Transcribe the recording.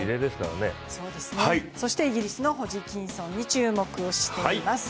そして、イギリスのホジキンソンに注目をしています。